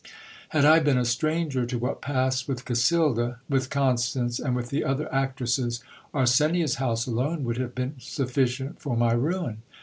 Had I been a stranger to what passed with Casilda, with Constance, and with the other actresses, Arsenia's house alone would have been sufficient for my ruin.